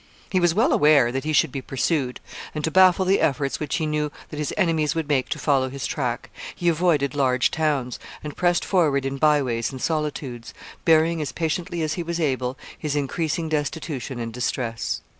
He was well aware that he should be pursued, and, to baffle the efforts which he knew that his enemies would make to follow his track, he avoided large towns, and pressed forward in by ways and solitudes, bearing as patiently as he was able his increasing destitution and distress.